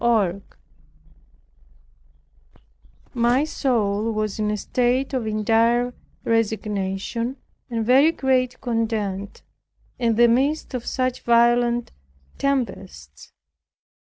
CHAPTER 8 My soul was in a state of entire resignation and very great content, in the midst of such violent tempests.